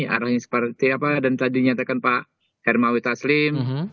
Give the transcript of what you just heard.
arahnya seperti apa dan tadi nyatakan pak hermawi taslim